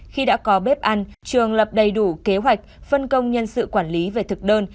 khi đã có bếp ăn trường lập đầy đủ kế hoạch phân công nhân sự quản lý về thực đơn